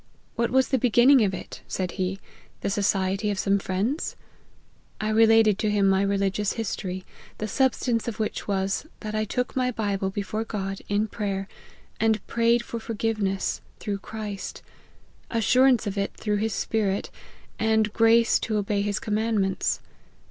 ' What was the beginning of it,' said he, ' the society of some friends ?' I related to him my religious history, the substance of which was, that I took my bible before God, in prayer, and prayed for forgiveness through Christ, assurance of it through his Spirit, and grace to obey his com mandments.